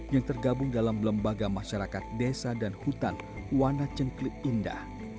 yang tergabung dalam lembaga masyarakat desa dan hutan wana cengklik indah